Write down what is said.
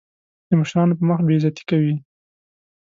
د مشرانو په مخ بې عزتي کوي.